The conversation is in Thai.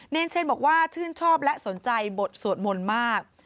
เชนบอกว่าชื่นชอบและสนใจบทสวดมนต์มาก